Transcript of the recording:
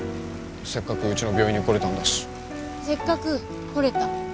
せっかくウチの病院に来れたんだしせっかく来れた？